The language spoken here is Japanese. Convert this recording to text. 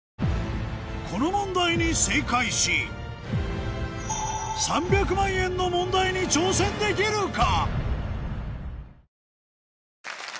この問題に正解し３００万円の問題に挑戦できるか？